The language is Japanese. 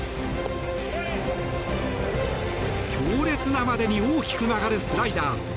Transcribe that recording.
強烈なまでに大きく曲がるスライダー。